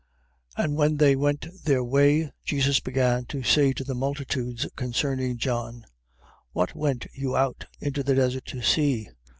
And when they went their way, Jesus began to say to the multitudes concerning John: What went you out into the desert to see?